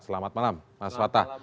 selamat malam mas fatah